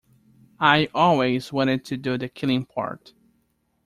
I always wanted to do the killing part.